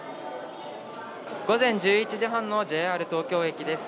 午前１１時半のＪＲ東京駅です。